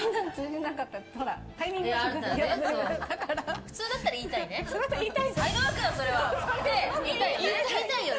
普通だったら言いたいね。